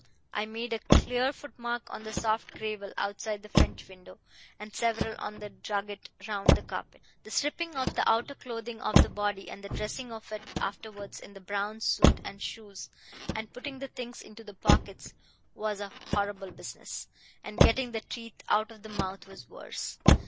I made a clear footmark on the soft gravel outside the French window, and several on the drugget round the carpet. The stripping off of the outer clothing of the body and the dressing of it afterwards in the brown suit and shoes, and putting the things into the pockets, was a horrible business; and getting the teeth out of the mouth was worse.